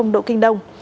độ kinh đông